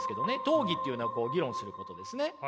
討議っていうのは議論することですね。